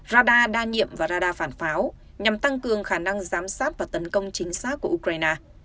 radar đa nhiệm và radar phản pháo nhằm tăng cường khả năng giám sát và tấn công chính xác của ukraine